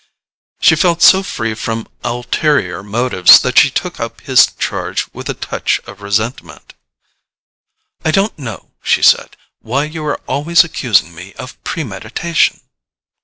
She felt so free from ulterior motives that she took up his charge with a touch of resentment. "I don't know," she said, "why you are always accusing me of premeditation."